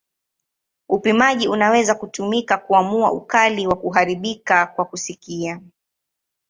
Upimaji unaweza kutumika kuamua ukali wa kuharibika kwa kusikia.